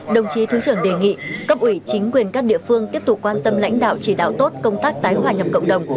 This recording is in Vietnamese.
đồng chí thứ trưởng đề nghị cấp ủy chính quyền các địa phương tiếp tục quan tâm lãnh đạo chỉ đạo tốt công tác tái hòa nhập cộng đồng